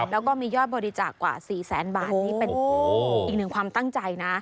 แล้วก็มียอดบริจาคกว่า๔แสนบาทนี่เป็นอีกหนึ่งความตั้งใจนะ